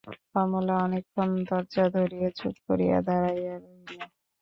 কমলা অনেকক্ষণ দরজা ধরিয়া চুপ করিয়া দাঁড়াইয়া রহিল।